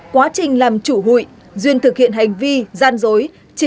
quá trình làm chủ hụi duyên thực hiện hành vi gian dối